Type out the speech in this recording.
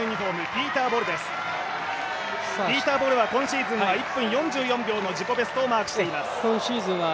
ピーター・ボルは今シーズン、１分４４秒の自己ベストをマークしています。